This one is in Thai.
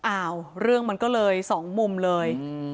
อ้าวเรื่องมันก็เลยสองมุมเลย